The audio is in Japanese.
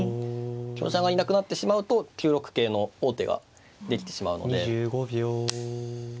香車がいなくなってしまうと９六桂の王手ができてしまうので。